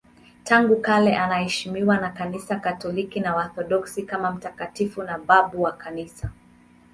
Tangu kale anaheshimiwa na Kanisa Katoliki na Waorthodoksi kama mtakatifu na babu wa Kanisa.